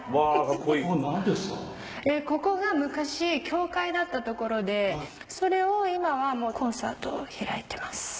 ここが昔教会だった所でそれを今はもうコンサートを開いてます。